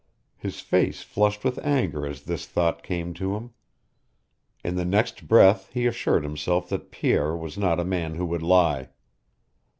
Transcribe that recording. His face flushed with anger as this thought came to him. In the next breath he assured himself that Pierre was not a man who would lie.